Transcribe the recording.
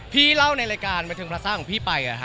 พี่เล่าในรายการบันเทิงภาษาของพี่ไป